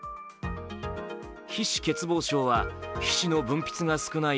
皮脂欠乏症は皮脂の分泌が少ない